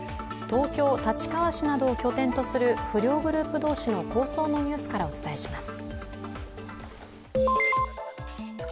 東京・立川市などを拠点とする不良グループ同士の抗争のニュースからお伝えします。